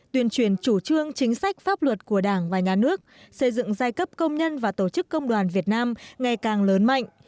tuyên truyền chủ trương chính sách pháp luật của đảng và nhà nước xây dựng giai cấp công nhân và tổ chức công đoàn việt nam ngày càng lớn mạnh